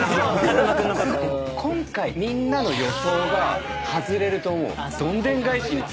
今回みんなの予想が外れると思う。